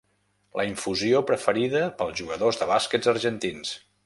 La infusió preferida pels jugadors de bàsquet argentins.